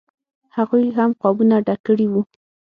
هغوی هم قابونه ډک کړي وو.